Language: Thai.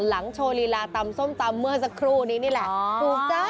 หลังโชลีลาตำส้มตำเมื่อสักครู่นี้นี่แหละ